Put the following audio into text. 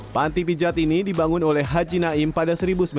panti pijat ini dibangun oleh haji naim pada seribu sembilan ratus sembilan puluh